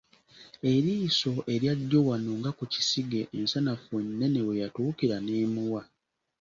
Eriiso erya ddyo wano nga ku kisige ensanafu ennene kwe yatuukira n’emuwa.